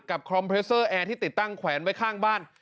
คอมเพรสเซอร์แอร์ที่ติดตั้งแขวนไว้ข้างบ้าน